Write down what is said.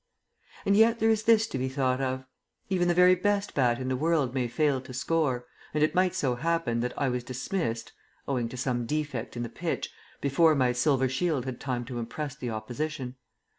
And yet there is this to be thought of. Even the very best bat in the world may fail to score, and it might so happen that I was dismissed (owing to some defect in the pitch) before my silver shield had time to impress the opposition.